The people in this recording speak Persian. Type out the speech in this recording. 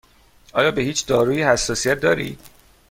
آیا به هیچ دارویی حساسیت دارید؟